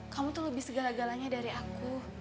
kamu tuh lebih segala galanya dari aku